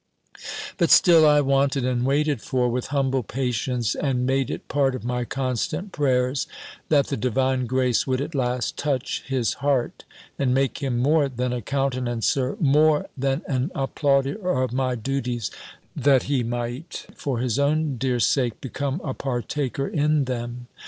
But still I wanted, and waited for, with humble patience, and made it part of my constant prayers, that the divine Grace would at last touch his heart, and make him more than a countenancer, more than an applauder of my duties; that he might for his own dear sake, become a partaker in them.